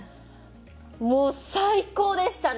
もう最高でしたね！